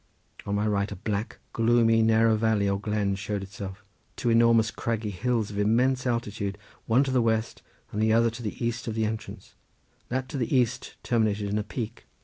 On my right a black, gloomy, narrow valley or glen showed itself; two enormous craggy hills of immense altitude, one to the west and the other to the east of the entrance; that to the east terminating in a peak.